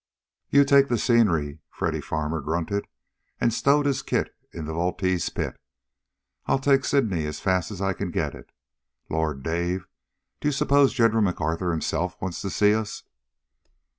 "You take the scenery," Freddy Farmer grunted, and stowed his kit in the Vultee's pit. "I'll take Sydney as fast as I can get it. Lord, Dave! Do you suppose General MacArthur himself wants to see us?"